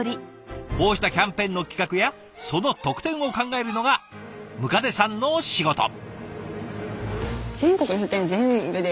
こうしたキャンペーンの企画やその特典を考えるのが百足さんの仕事。